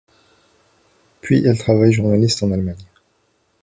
Puis elle travaille journaliste en Allemagne.